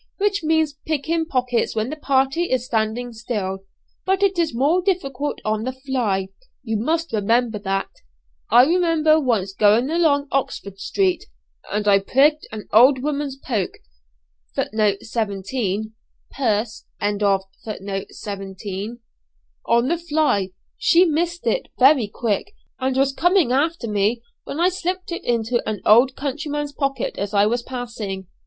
Which means picking pockets when the party is standing still; but it is more difficult on the 'fly.' You must remember that. I remember once going along Oxford Street, and I prigged an old woman's 'poke,' on the 'fly.' She missed it very quick, and was coming after me when I slipped it into an old countryman's pocket as I was passing.